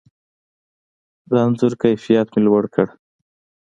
د انځور کیفیت مې لوړ کړ.